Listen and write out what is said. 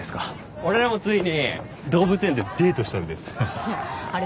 俺らもついに動物園でデートしたんですあれ